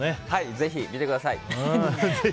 ぜひ見てください！